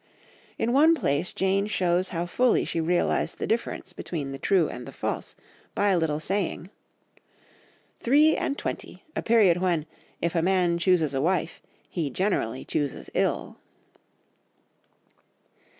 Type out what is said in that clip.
In one place Jane shows how fully she realised the difference between the true and the false by a little saying, "Three and twenty—a period when, if a man chooses a wife, he generally chooses ill."